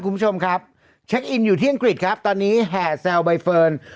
คุณผู้ชมครับเช็คอินอยู่ที่อังกฤษครับตอนนี้แห่แซวใบเฟิร์น